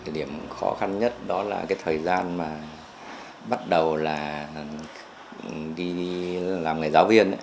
điểm khó khăn nhất đó là thời gian bắt đầu làm người giáo viên